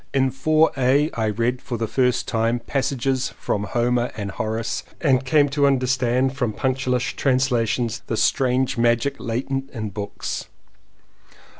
In Four A, I read for the first time pass ages from Homer and Horace and came to understand from punctilious translations the strange magic latent in books.